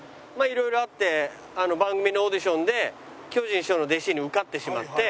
色々あって番組のオーディションで巨人師匠の弟子に受かってしまって。